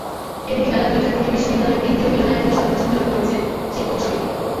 এদিকে বেলা দুইটার দিকে বিশ্ববিদ্যালয়ের কেন্দ্রীয় মিলনায়তনে সংবাদ সম্মেলন করেছে শিক্ষক সমিতি।